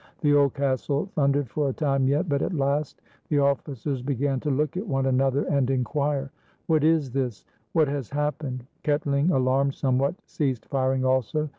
The old castle thundered for a time yet ; but at last the officers began to look at one another, and inquire, — "What is this? What has happened ?" Ketling, alarmed somewhat, ceased firing also.